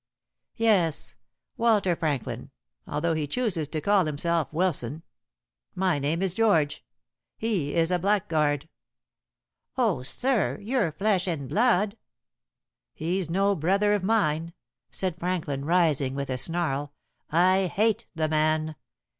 "Yes, Walter Franklin, although he chooses to call himself Wilson. My name is George. He is a blackguard." "Oh, sir, your flesh and blood." "He's no brother of mine," said Franklin, rising, with a snarl. "I hate the man.